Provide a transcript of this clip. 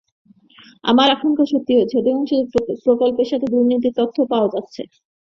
আমাদের আশঙ্কা সত্যি হয়েছে, অধিকাংশ প্রকল্পের সঙ্গে দুর্নীতির তথ্য পাওয়া যাচ্ছে।